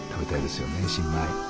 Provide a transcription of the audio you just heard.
新米。